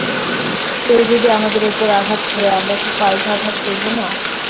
কেউ যদি আমাদের উপর আঘাত করে, আমরা কি পাল্টা আঘাত করব না?